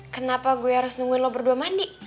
kenapa gue harus nungguin lo berdua mandi